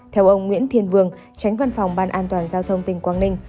theo ông nguyễn thiên vương tránh văn phòng ban an toàn giao thông tỉnh quảng ninh